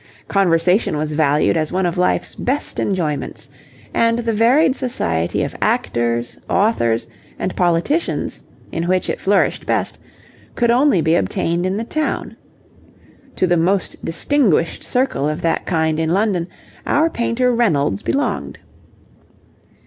Conversation was valued as one of life's best enjoyments, and the varied society of actors, authors, and politicians, in which it flourished best, could only be obtained in the town. To the most distinguished circle of that kind in London, our painter Reynolds belonged.